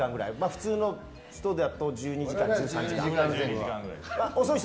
普通の人だと１２時間から１３時間ぐらい。